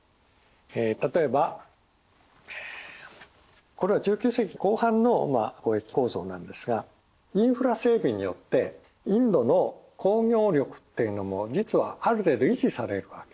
例えばこれは１９世紀後半の貿易構造なんですがインフラ整備によってインドの工業力っていうのも実はある程度維持されるわけですね。